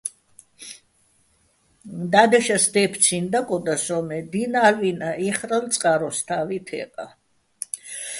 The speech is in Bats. და́დეშას დეფცინო̆ დაკოდა სოჼ, მე დი́ნ ა́ლვინა́ იხრალო̆ წყაროსთა́ვი თე́ყაჼ.